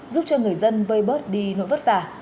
giúp cho người dân vơi bớt đi nỗi vất vả